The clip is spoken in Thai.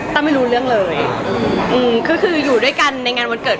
สิ่งที่ว่าเห็นสิ่งหน่อยหรือว่าเคร่งเบี้ย